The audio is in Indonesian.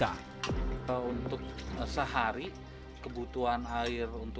ini bukan khusus untuk mencuci baju terus mandi gitu